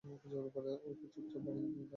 ওকে চুপচাপ বাইরে নিয়ে যাও।